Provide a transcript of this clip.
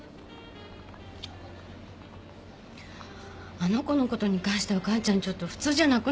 あの子のことに関しては完ちゃんちょっと普通じゃなくなるよね。